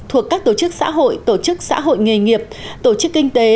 thuộc các tổ chức xã hội tổ chức xã hội nghề nghiệp tổ chức kinh tế